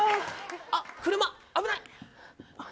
あっ車。